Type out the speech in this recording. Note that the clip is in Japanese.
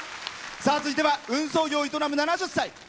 さあ続いては運送業を営む７０歳。